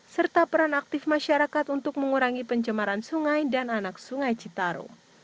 serta peran aktif masyarakat untuk mengurangi pencemaran sungai dan anak sungai citarum